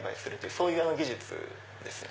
そういう技術ですね。